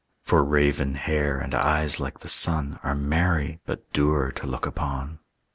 For raven hair and eyes like the sun Are merry but dour to look upon.